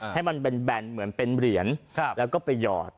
ให้มันแบนเหมือนเป็นเหรียญแล้วก็ไปหยอด